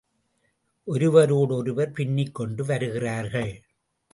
ஒருவரோடு ஒருவர் பின்னிக்கொண்டு வருகிறார்கள்.